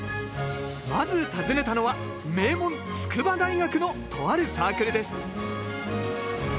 まず訪ねたのは名門筑波大学のとあるサークルです